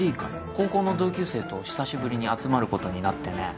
高校の同級生と久しぶりに集まることになってね。